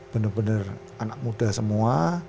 bener bener anak muda semua